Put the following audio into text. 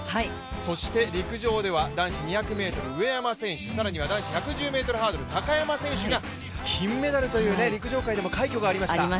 そして、陸上では男子２００ｍ、上山選手更には男子１１０ｍハードル、高山選手が金メダルという陸上界でも快挙がありました。